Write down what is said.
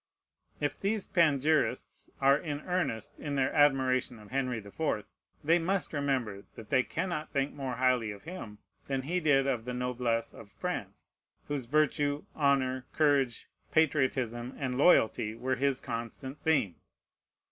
If these panegyrists are in earnest in their admiration of Henry the Fourth, they must remember that they cannot think more highly of him than he did of the noblesse of France, whose virtue, honor, courage, patriotism, and loyalty were his constant theme.